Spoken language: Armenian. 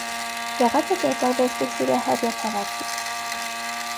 Եղած է կերպարուեստի սիրահար եւ հաւաքիչ։